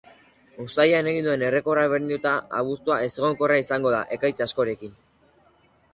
Uztailean egin duen errekorra berdinduta, abuztua ezegonkorra izango da, ekaitz askorekin.